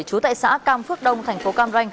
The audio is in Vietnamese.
trú tại xã cam phước đông thành phố cam ranh